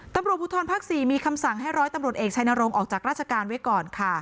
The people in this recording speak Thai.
ตำรวจภูทรภาค๔มีคำสั่งให้ร้อยตำรวจเอกชัยนรงค์ออกจากราชการไว้ก่อนค่ะ